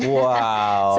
wow luar biasa